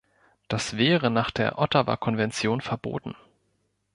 Dies wäre nach der Ottawa-Konvention verboten.